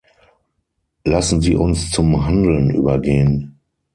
Lassen Sie uns zum Handeln übergehen.